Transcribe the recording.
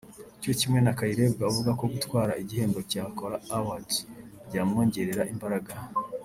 cyo kimwe na Kayirebwa uvuga ko gutwara igihembo cya Kora Award byamwongerera imbaraga